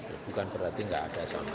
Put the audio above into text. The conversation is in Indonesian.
bukan berarti gak ada sama sama